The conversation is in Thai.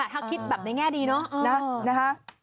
ถ้าคิดแบบในแง่ดีเนาะนะคะ